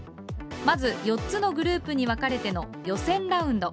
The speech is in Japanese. まず４つのグループに分かれての予選ラウンド。